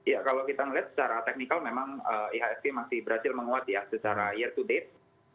ya kalau kita melihat secara teknikal memang ihsg masih berhasil menguat ya secara year to date